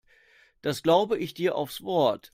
Das glaube ich dir aufs Wort.